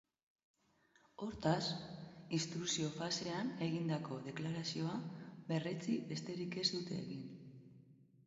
Hortaz, instrukzio-fasean egindako deklarazioa berretsi besterik ez dute egin.